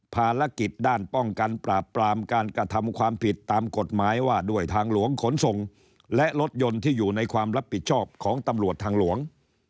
ภารกิจด้านป้องกันปราบปรามการกระทำความผิดตามกฎหมายว่าด้วยทางหลวงขนส่งและรถยนต์ที่อยู่ในความรับผิดชอบของตำรวจทางหลวง